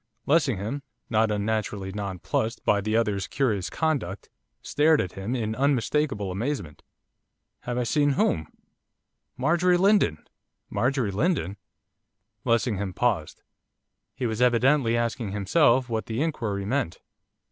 Lessingham, not unnaturally nonplussed by the other's curious conduct, stared at him in unmistakable amazement. 'Have I seen whom?' 'Marjorie Lindon!' 'Marjorie Lindon?' Lessingham paused. He was evidently asking himself what the inquiry meant.